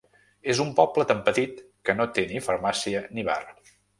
És un poble tan petit que no té ni farmàcia ni bar.